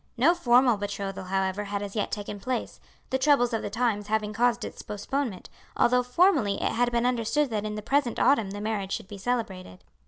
No formal betrothal, however, had as yet taken place, the troubles of the times having caused its postponement, although formerly it had been understood that in the present autumn the marriage should be celebrated.